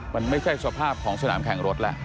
มันไม่ใช่สภาพของสนามแข่งรถแล้ว